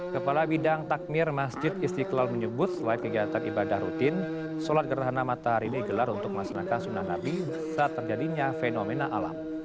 kepala bidang takmir masjid istiqlal menyebut selain kegiatan ibadah rutin sholat gerhana matahari ini digelar untuk melaksanakan sunnah nabi saat terjadinya fenomena alam